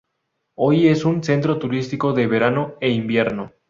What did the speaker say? Hoy es un centro turístico de verano e invierno.